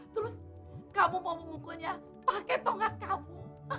terus kamu mau memukulnya pakai tongkat kamu